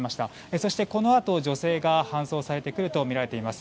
そしてこのあと女性が搬送されてくるとみられています。